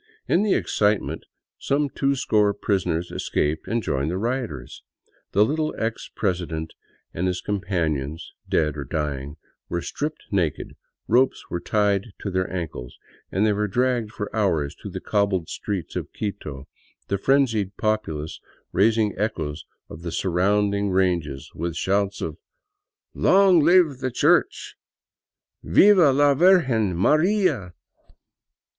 In the excitement some twoscore prisoners escaped, and joined the rioters. The little ex president and his com panions, dead or dying, were stripped naked, ropes were tied to their ankles, and they were dragged for hours through the cobbled streets of Quito, the frenzied populace raising the echoes of the surrounding ranges with shouts of " Long Live the Church 1 "" Viva la Virgen Maria